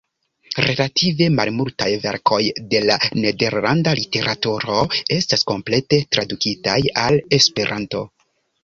Relative malmultaj verkoj de la nederlanda literaturo estas komplete tradukitaj al Esperanto.